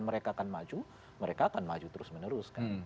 mereka akan maju mereka akan maju terus menerus